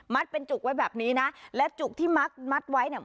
เป็นจุกไว้แบบนี้นะและจุกที่มัดมัดไว้เนี่ย